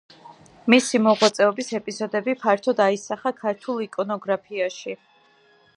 მისი მოღვაწეობის ეპიზოდები ფართოდ აისახა ქართულ იკონოგრაფიაში.